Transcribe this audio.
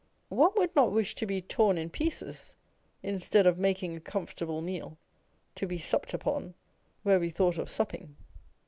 One would not wish to be torn in pieces instead of making a comfortable meal, " to be supped upon " where we thought of supping.